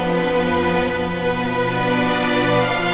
jangan bawa dia